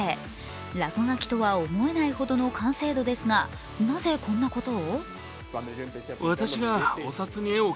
落書きとは思えないほどの完成度ですがなぜこんなことを？